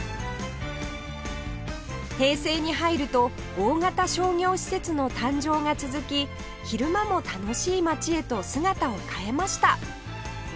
平成に入ると大型商業施設の誕生が続き昼間も楽しい街へと姿を変えました